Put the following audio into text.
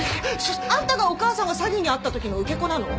あんたがお義母さんが詐欺に遭った時の受け子なの？